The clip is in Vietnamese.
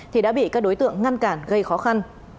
thì đã bị các đối tượng ngăn cản gây khó khăn